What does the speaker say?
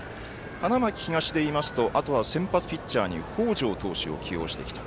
花巻東でいいますとあとは先発ピッチャーに北條投手を起用してきた。